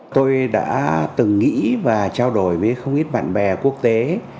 tôi đã từng nghĩ và trao đổi với không ít bạn bè quốc tế